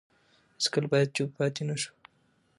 هیڅکله باید چوپ پاتې نه شو.